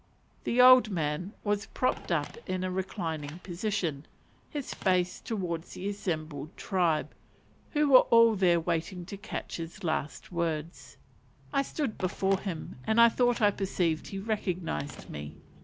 The old man was propped up in a reclining position, his face towards the assembled tribe, who were all there waiting to catch his last words. I stood before him and I thought I perceived he recognized me.